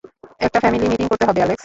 একটা family meeting করতে হবে, অ্যালেক্স!